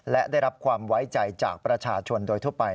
และได้รับความไว้ใจจากประชาชนโดยทั่วไป